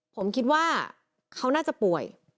ผมคิดว่าเขาน่าจะป่วย